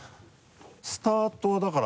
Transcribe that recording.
スタートはだから。